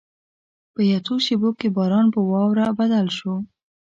په یو څو شېبو کې باران په واوره بدل شو.